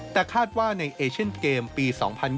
แต่คาดว่าในเอเชียนเกมปี๒๐๒๐